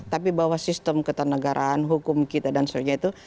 tapi bahwa sistem ketanegaraan hukum kita dan sebagainya itu